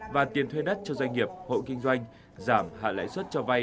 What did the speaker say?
và tiền thuê đất cho doanh nghiệp hội kinh doanh giảm hạ lãi xuất cho vay